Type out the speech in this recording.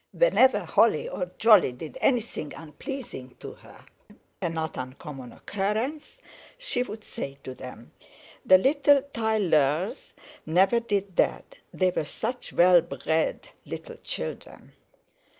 Whenever Holly or Jolly did anything unpleasing to her—a not uncommon occurrence—she would say to them: "The little Tayleurs never did that—they were such well brrred little children."